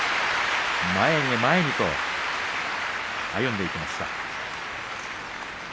前に前にと歩んでいきました。